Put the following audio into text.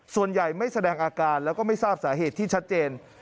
ส่วนใหญ่ไม่แสดงอาการแล้วก็ไม่ทราบสาเหตุที่ชัดเจน